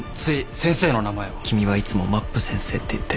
君はいつもまっぷ先生って言ってる。